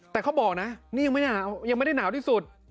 แต่เขาบอกนะนี่ยังไม่ได้หนาวที่สุด